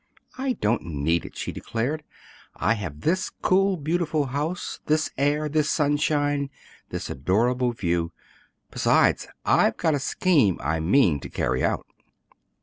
"I don't need it," she declared. "I have this cool, beautiful house, this air, this sunshine, this adorable view. Besides, I've got a scheme I mean to carry out."